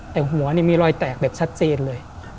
แต่หัวมีรอยแตกแบบชัดเจนเลย